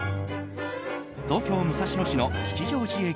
東京・武蔵野市の吉祥寺駅